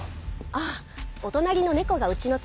ああお隣の猫がうちの壺